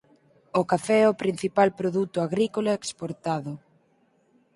O café é o principal produto agrícola exportado.